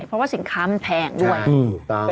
เพราะว่าสินค้ามันแพงด้วย